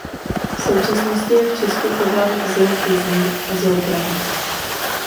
V současnosti je v Česku chován v Zoo Plzeň a Zoo Praha.